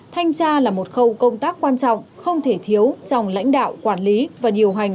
thanh tra là một khâu công tác quan trọng không thể thiếu trong lãnh đạo quản lý và điều hành